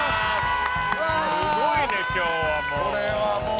すごいね、今日はもう。